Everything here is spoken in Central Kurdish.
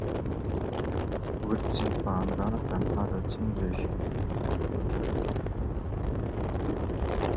ورچی پاندا تەنها لە چین دەژی.